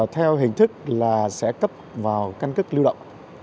theo hình thức là sẽ cấp vào căn cước lưu động